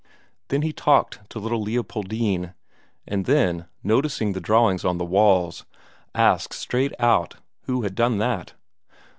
Then he talked to little Leopoldine, and then, noticing the drawings on the walls, asked straight out who had done that.